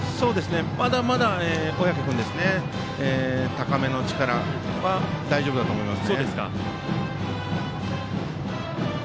まだまだ小宅君は高めの力、大丈夫だと思います。